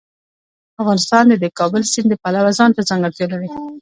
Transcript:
افغانستان د د کابل سیند د پلوه ځانته ځانګړتیا لري.